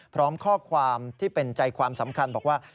พร้อมข้อความที่เป็นใจความสำคัญบอกว่า